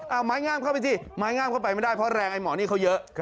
เอาไม้งามเข้าไปสิไม้งามเข้าไปไม่ได้เพราะแรงไอ้หมอนี่เขาเยอะ